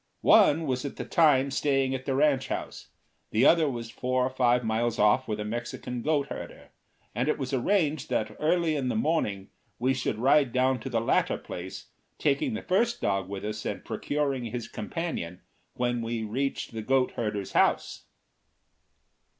One was at the time staying at the ranch house, the other was four or five miles off with a Mexican goat herder, and it was arranged that early in the morning we should ride down to the latter place, taking the first dog with us and procuring his companion when we reached the goat herder's house.